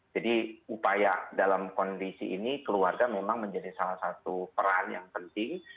jadi upaya dalam kondisi ini keluarga memang menjadi salah satu peran yang penting